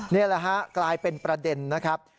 นี่แหละฮะกลายเป็นประเด็นนะครับ